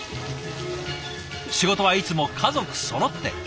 仕事はいつも家族そろって。